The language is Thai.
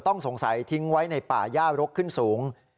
ต้องสงสัยทิ้งไว้ในป่าย่ารกขึ้นสูง